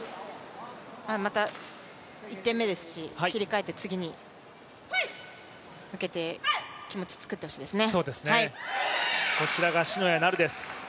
まだ１点目ですし、切り替えて次に向けて気持ち作ってほしいですね。